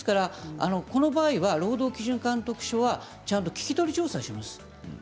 この場合は労働基準監督署はちゃんと聞き取り調査をします。